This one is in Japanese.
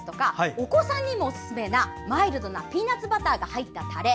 お子さんにもおすすめなマイルドなピーナツバターが入ったタレ。